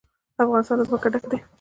افغانستان له ځمکه ډک دی.